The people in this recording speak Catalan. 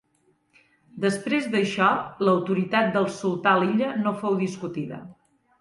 Després d'això l'autoritat del sultà a l'illa no fou discutida.